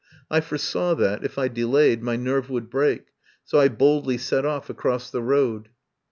I foresaw that, if I delayed, my nerve would break, so I boldly set off across the road.